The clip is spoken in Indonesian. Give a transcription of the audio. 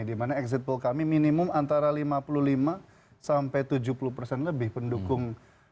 dimana exit poll kami minimum antara lima puluh lima sampai tujuh puluh persen lebih pendukung